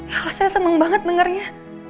ya allah saya senang banget dengarnya